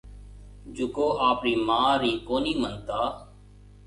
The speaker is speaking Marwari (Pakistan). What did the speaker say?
جڪو آپرَي مان ٻاپ رِي ڪونِي منتا۔